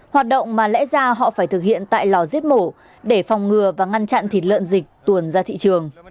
hoạt động mà lẽ ra họ phải thực hiện tại lò giếp mổ để phòng ngừa và ngăn chặn thịt lợn dịch tuồn ra thị trường